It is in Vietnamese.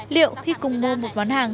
liệu khi cùng mua một món hàng